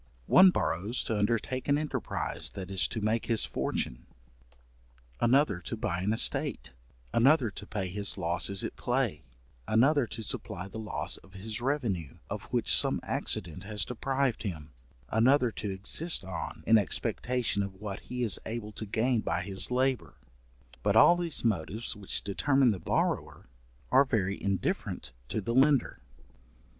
One borrows to undertake an enterprize that is to make his fortune, another to buy an estate, another to pay his losses at play, another to supply the loss of his revenue, of which some accident has deprived him, another to exist on, in expectation of what he is able to gain by his labour; but all these motives which determine the borrower, are very indifferent to the lender.